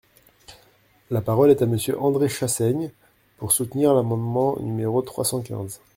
La parole est à Monsieur André Chassaigne, pour soutenir l’amendement numéro trois cent quinze.